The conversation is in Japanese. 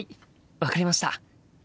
分かりました。